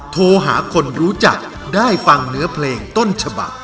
โทรหาคนรู้จักได้ฟังเนื้อเพลงต้นฉบัก